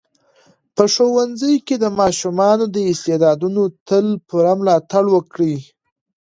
په ښوونځي کې د ماشومانو د استعدادونو تل پوره ملاتړ وکړئ.